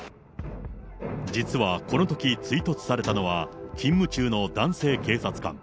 実はこのとき追突されたのは、勤務中の男性警察官。